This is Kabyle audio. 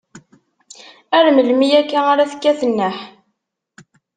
Ar melmi akka ara tekkat nneḥ?